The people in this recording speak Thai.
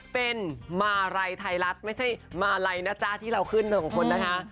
เป็นมาไรไทรลัทไม่ใช่มาไรนะจ้าที่เราขึ้นนะทุกคนนะคะ